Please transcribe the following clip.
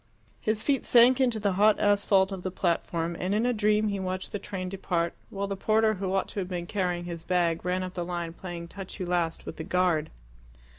His feet sank into the hot asphalt of the platform, and in a dream he watched the train depart, while the porter who ought to have been carrying his bag, ran up the line playing touch you last with the guard.